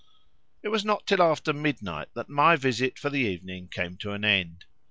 It was not till after midnight that my visit for the evening came to an end.